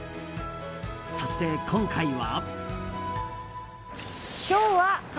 そして今回は。